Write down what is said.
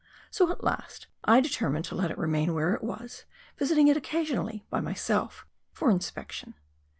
So at last, I determined to let it remain where it was : visiting it occasionally, by myself, for inspection.